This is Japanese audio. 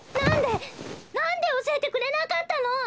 何で何で教えてくれなかったの！